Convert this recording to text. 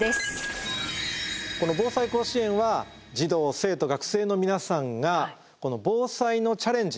この「ぼうさい甲子園」は児童生徒学生の皆さんが防災のチャレンジ